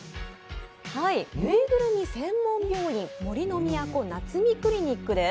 縫いぐるみ専門病院、杜の都なつみクリニックです。